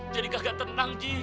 jadi kagak tenang ji